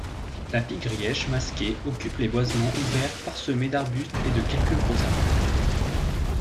La Pie-grièche masquée occupe les boisements ouverts parsemés d'arbustes et de quelques gros arbres.